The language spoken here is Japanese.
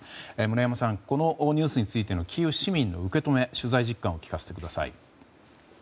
村山さん、このニュースについてキーウ市民の受け止め、取材実感を聞かせてください。